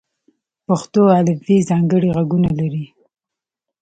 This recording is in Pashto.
پښتو الفبې ځانګړي غږونه لري.